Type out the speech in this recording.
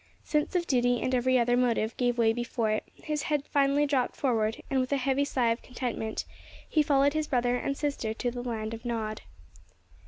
Sense of duty and every other motive gave way before it; his head finally dropped forward, and, with a heavy sigh of contentment, he followed his brother and sister to the land of Nod.